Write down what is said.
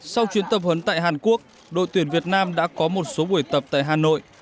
sau chuyến tập huấn tại hàn quốc đội tuyển việt nam đã có một số buổi tập tại hà nội